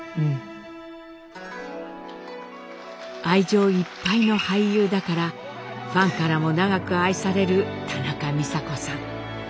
愛情いっぱいの俳優だからファンからも長く愛される田中美佐子さん。